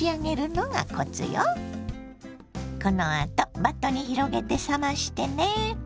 このあとバットに広げて冷ましてね。